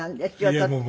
とっても。